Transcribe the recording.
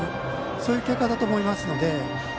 そういう結果だと思いますので。